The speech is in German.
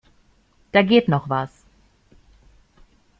Da geht noch was.